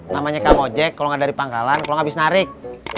namanya kamu jack kalau gak ada di pangkalan kalau gak bisa narik